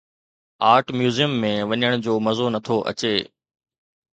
art museum ۾ وڃڻ جو مزو نٿو اچي